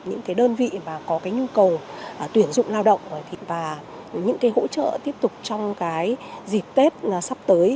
những đơn vị có nhu cầu tuyển dụng lao động và những hỗ trợ tiếp tục trong dịp tết sắp tới